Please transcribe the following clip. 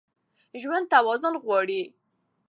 ژوند توازن غواړي.